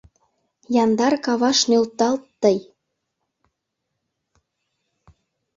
Яндар каваш нöлталт тый!